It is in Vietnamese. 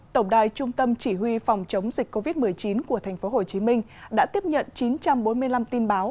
tổng đài trung tâm chỉ huy phòng chống dịch covid một mươi chín của tp hcm đã tiếp nhận chín trăm bốn mươi năm tin báo